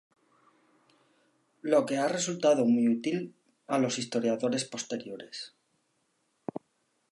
Lo que ha resultado muy útil a los historiadores posteriores.